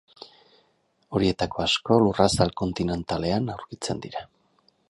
Horietako asko lurrazal kontinentalean aurkitzen dira.